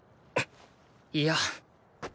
いや。